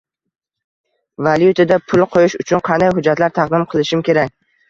Valyutada pul qo'yish uchun qanday hujjatlar taqdim qilishim kerak?